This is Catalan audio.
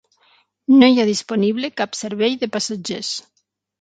No hi ha disponible cap servei de passatgers.